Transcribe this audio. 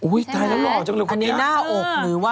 ตายแล้วหล่อจังเลยคนนี้หน้าอกหรือวะ